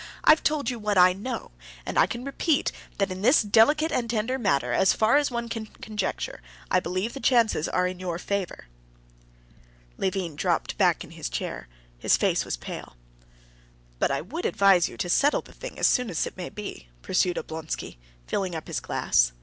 "I've told you what I know, and I repeat that in this delicate and tender matter, as far as one can conjecture, I believe the chances are in your favor." Levin dropped back in his chair; his face was pale. "But I would advise you to settle the thing as soon as may be," pursued Oblonsky, filling up his glass.